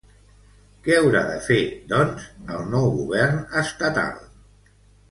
Què haurà de fer, doncs, el nou govern estatal?